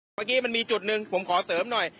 เมื่อกี้มันมีจุดหนึ่งผมขอเสริมหน่อย